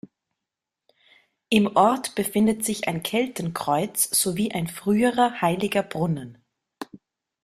Im Ort befindet sich ein Keltenkreuz sowie ein früherer heiliger Brunnen.